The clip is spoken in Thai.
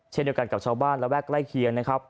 เช่นเดียวกันกับชาวบ้านระแวกใกล้เคียงนะครับ